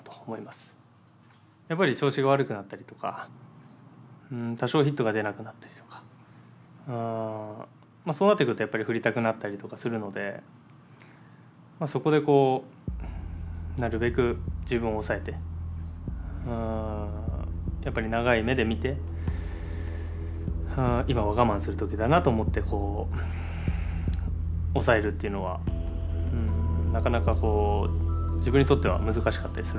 やっぱり調子が悪くなったりとか多少ヒットが出なくなったりとかそうなってくるとやっぱり振りたくなったりとかするのでそこでなるべく自分を抑えてやっぱり長い目で見て今は我慢する時だなと思って抑えるっていうのはなかなか自分にとっては難しかったりするので。